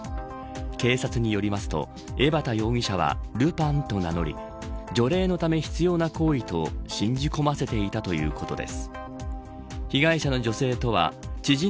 警察によりますと江畑容疑者はルパンと名乗り除霊のため必要な行為と信じ込ませていたということです。